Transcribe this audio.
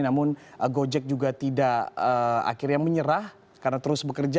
namun gojek juga tidak akhirnya menyerah karena terus bekerja